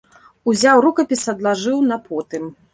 Узяў рукапіс адлажыў на потым.